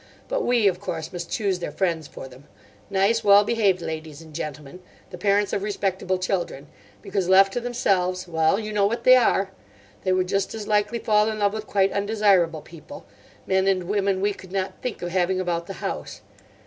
But we, of course, must choose their friends for them—nice, well behaved ladies and gentlemen, the parents of respectable children; because left to themselves—well, you know what they are! They would just as likely fall in love with quite undesirable people—men and women we could not think of having about the house.